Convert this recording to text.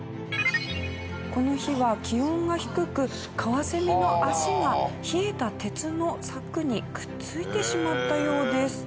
この日は気温が低くカワセミの脚が冷えた鉄の柵にくっついてしまったようです。